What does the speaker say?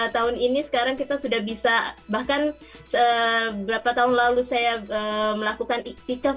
tahun ini sekarang kita sudah bisa bahkan beberapa tahun lalu saya melakukan ikhtikaf